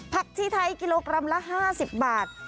ที่ไทยกิโลกรัมละ๕๐บาท